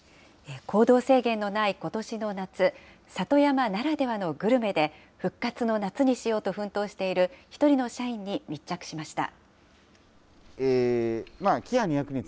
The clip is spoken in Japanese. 行動制限のないことしの夏、里山ならではのグルメで、復活の夏にしようと奮闘している一人の社員に密着しました。